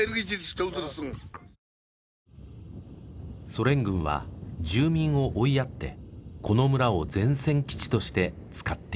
ソ連軍は住民を追いやってこの村を前線基地として使っていたのだった。